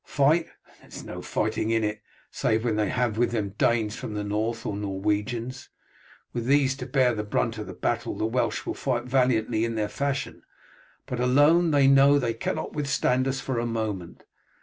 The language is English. Fight! there is no fighting in it, save when they have with them Danes from the North, or Norwegians. With these to bear the brunt of the battle the Welsh will fight valiantly in their fashion, but alone they know that they cannot withstand us for a moment.